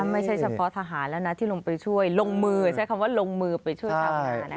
ไม่ใช่เฉพาะทหารแล้วนะที่ลงไปช่วยลงมือใช้คำว่าลงมือไปช่วยชาวนา